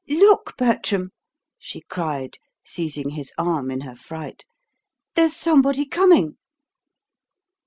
"Look, Bertram," she cried, seizing his arm in her fright, "there's somebody coming."